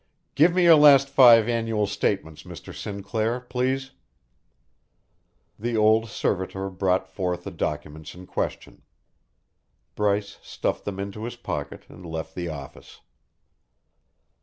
"Give me your last five annual statements, Mr. Sinclair, please." The old servitor brought forth the documents in question. Bryce stuffed them into his pocket and left the office.